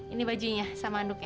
ini bajunya sama handuknya